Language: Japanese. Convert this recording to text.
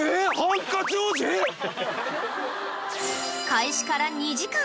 ［開始から２時間］